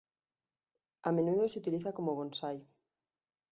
A menudo se utiliza como bonsái.